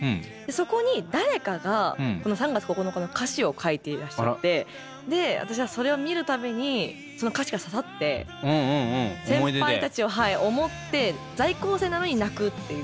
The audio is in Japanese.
そこに誰かがこの「３月９日」の歌詞を書いていらっしゃってで私はそれを見るたびにその歌詞が刺さって先輩たちを思って在校生なのに泣くっていう。